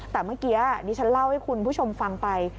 แต่เมื่อกี้ดิฉันเล่าให้คุณผู้ชมฟังไป